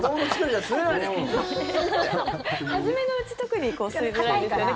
初めのうち特に吸いづらいですよね。